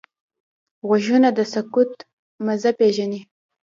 غوږونه د سکوت مزه پېژني